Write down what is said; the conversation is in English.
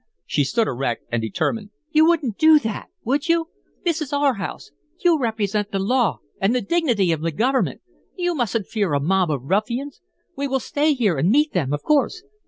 She stood erect and determined, "You wouldn't do THAT, would you? This is our house. You represent the law and the dignity of the government. You mustn't fear a mob of ruffians. We will stay here and meet them, of course."